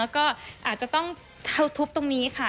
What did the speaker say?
ก็อาจจะต้องทุบตรงนี้ค่ะ